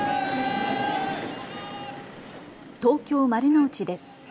東京丸の内です。